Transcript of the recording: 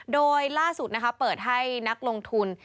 โดยล่าสุดเปิดให้นักลงทุน